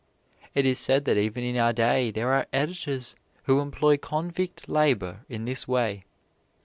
It is said that even in our day there are editors who employ convict labor in this way.